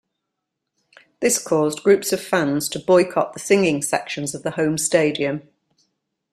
This caused groups of fans to boycott the singing sections of the home stadium.